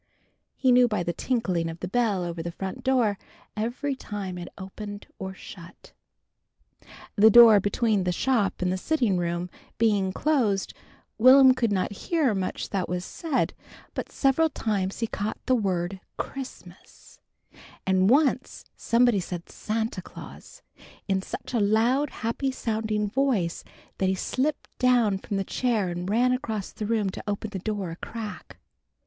He knew by the tinkling of the bell over the front door, every time it opened or shut. The door between the shop and sitting room being closed, Will'm could not hear much that was said, but several times he caught the word "Christmas," and once somebody said "Santa Claus," in such a loud happy sounding voice that he slipped down from the chair and ran across the room to open the door a crack.